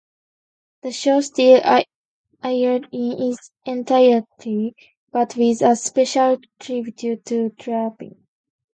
The show still aired in its entirety, but with a special tribute to Turpin.